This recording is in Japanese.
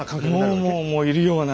もうもうもういるような。